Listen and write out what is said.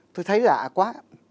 tôi thấy dạ quá